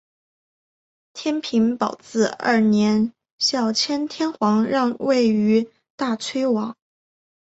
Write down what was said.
天平宝字二年孝谦天皇让位于大炊王。